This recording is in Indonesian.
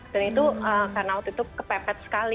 dan itu karena waktu itu kepepet sekali